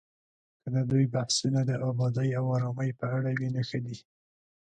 که د دوی بحثونه د ابادۍ او ارامۍ په اړه وي، نو ښه دي